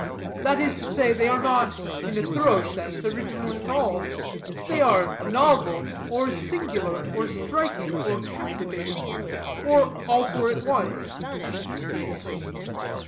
That is to say, they are not, in a thorough sense, original at all. They are novel, or singular, or striking, or captivating, or all four at once.